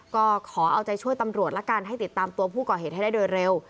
ก็ขอเอาใจช่วยตำรวจละกันให้ติดตามตัวผู้ก่อเหตุให้ได้โดยเร็ว